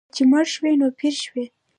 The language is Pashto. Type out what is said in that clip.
چې مړ شوې، نو پړ شوې.